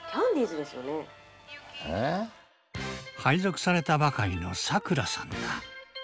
配属されたばかりの咲楽さんだ。